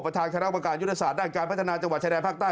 ทางคณะประการยุทธศาสตร์ด้านการพัฒนาจังหวัดชายแดนภาคใต้